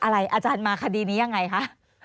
อาจารย์มาคดีนี้ยังไงคะ